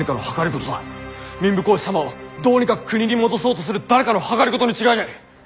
民部公子様をどうにか国に戻そうとする誰かの謀に違いない。